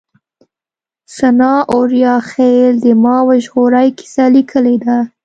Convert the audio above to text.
سناء اوریاخيل د ما وژغورئ کيسه ليکلې ده